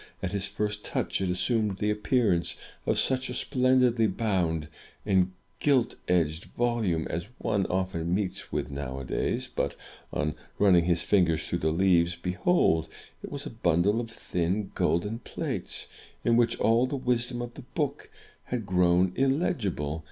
At his first touch it assumed the appearance of such a splendidly bound and gilt edged volume as one often meets with nowadays; but, on run ning his fingers through the leaves, behold! it was a bundle of thin golden plates, in which all the wisdom of the book had grown illegible.